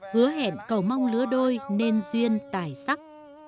hứa hẹn cầu mong lứa đôi nên duyên tài sắc